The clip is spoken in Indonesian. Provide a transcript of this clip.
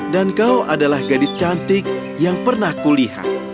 dan kau adalah gadis cantik yang pernah kulihat